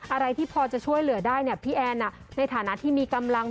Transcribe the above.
อะไรที่พอจะช่วยเหลือได้เนี่ยพี่แอนในฐานะที่มีกำลัง